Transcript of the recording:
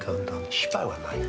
失敗はないよ。